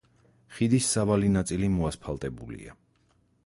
ხიდის სავალი ნაწილი მოასფალტებულია.